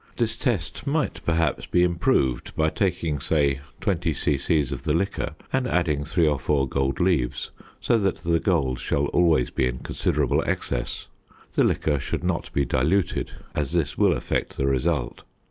This test might, perhaps, be improved by taking, say, 20 c.c. of the liquor and adding three or four gold leaves so that the gold shall always be in considerable excess. The liquor should not be diluted as this will affect the result.